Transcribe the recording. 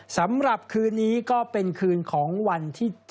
สำหรับคืนนี้ก็เป็นคืนของวันที่๗